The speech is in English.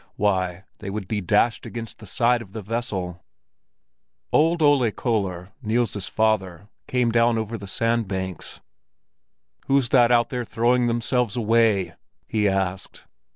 Why, they would be dashed against the side of the vessel! Old Ole Köller, Niels's father, came down over the sandbanks. "Who's that out there throwing themselves away?" he asked.